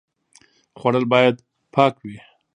خوړل باید پاک وي